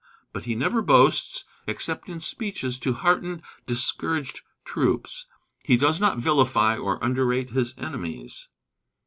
But he never boasts, except in speeches to hearten discouraged troops. He does not vilify or underrate his enemies.